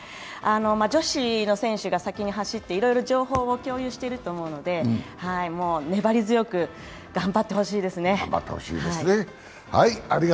女子の選手が先に走っていろいろ情報を共有していると思うので粘り強く頑張ってほしいですね。